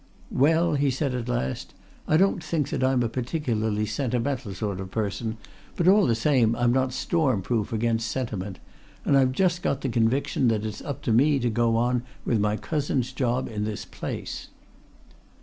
"Well," he said at last, "I don't think that I'm a particularly sentimental sort of person, but all the same I'm not storm proof against sentiment. And I've just got the conviction that it's up to me to go on with my cousin's job in this place."